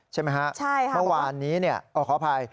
ใช่ไหมฮะเมื่อวานนี้ขออภัย